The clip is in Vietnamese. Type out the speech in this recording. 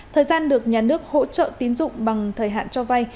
thời gian được nhà nước hỗ trợ tín dụng bằng thời hạn cho vay